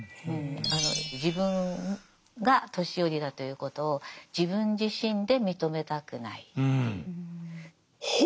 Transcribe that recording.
自分が年寄りだということを自分自身で認めたくないという。